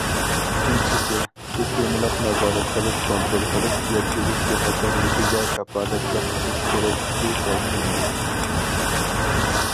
ئۈچىنچىسى، سىستېمىلىق نازارەت قىلىپ كونترول قىلىپ، يەتكۈزۈش بىخەتەرلىكىگە كاپالەتلىك قىلىش كېرەكلىكى تەكىتلەندى.